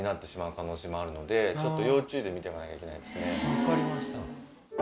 わかりました。